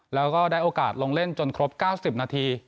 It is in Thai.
แล้วก็ได้โอกาสลงเล่นจนครบ๙๐นาที